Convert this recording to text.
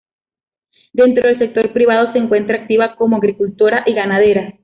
Dentro del sector privado se encuentra activa como agricultora y ganadera.